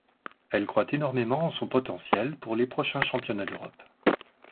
Elle croit énormément en son potentiel pour les prochains championnats d'Europe.